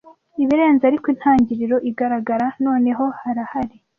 Ibirenze ariko intangiriro igaragara, noneho harahari